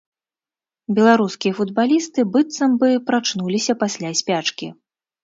Беларускія футбалісты быццам бы прачнуліся пасля спячкі.